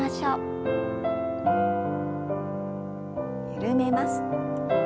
緩めます。